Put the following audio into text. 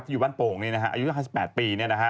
อยู่บ้านโป่งอายุ๕๘ปี